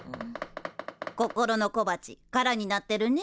心の小鉢空になってるねえ。